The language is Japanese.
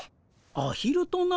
アヒルとな？